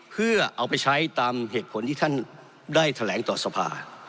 เพื่อเอาไปใช้ตามเหตุผลที่ท่านได้แถลงต่อสภา